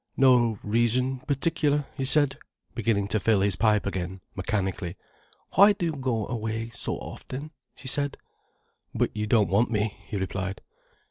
"No reason particular," he said, beginning to fill his pipe again, mechanically. "Why do you go away so often?" she said. "But you don't want me," he replied.